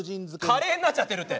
カレーになっちゃってるって。